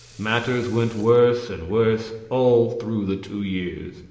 Matters went worse and worse, all through the two years.